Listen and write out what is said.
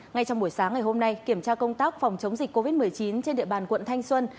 ngay trong buổi sáng ngày hôm nay kiểm tra công tác phòng chống dịch covid một mươi chín trên địa bàn quận thanh xuân